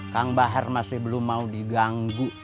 kang bahar masih belum mau diganggu soal ini